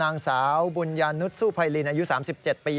นางสาวบุญญานุสุภัยลินอายุ๓๗ปี